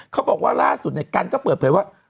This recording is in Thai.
เขาบอกว่าล่าสุดเนี่ยกันก็เปิดเผยว่า